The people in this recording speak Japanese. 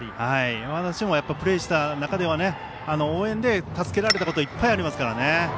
私もプレーした中では応援で助けられたこといっぱいありますからね。